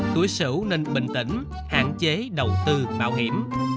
tuổi sử nên bình tĩnh hạn chế đầu tư bảo hiểm